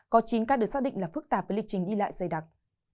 có chín ca được xác định là phức tạp với lịch trình đi lại dày đặc